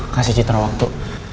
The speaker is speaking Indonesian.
kasih citra waktu